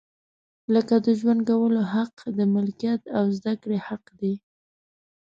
لکه د ژوند کولو حق، د ملکیت او زده کړې حق دی.